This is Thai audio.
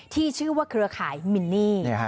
ที่ชื่อว่าเครือข่ายมินนี่